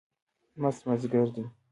مست مازدیګر دی